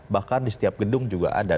bahkan di setiap gedung juga ada